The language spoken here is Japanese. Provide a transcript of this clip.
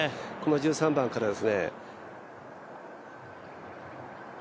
この１３番からですね。